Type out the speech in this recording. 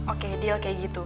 oke deal kayak gitu